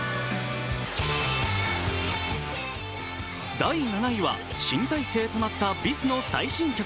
第７位は新体制となったＢｉＳの最新曲。